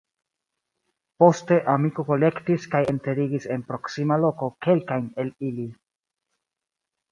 Poste amiko kolektis kaj enterigis en proksima loko kelkajn el ili.